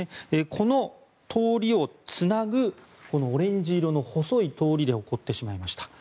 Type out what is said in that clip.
この通りをつなぐオレンジ色の細い通りで起こってしまいました。